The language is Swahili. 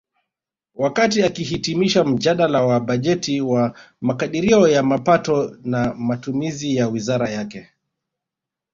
Wakati akihitimisha mjadala wa bajeti wa makadirio ya mapato na matumizi ya wizara yake